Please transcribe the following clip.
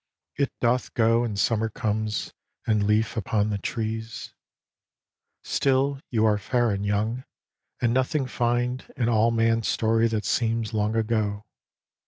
It doth go And summer comes, and leaf upon the trees : Still you are fair and young, and nothing find In all man's story that seems long ago.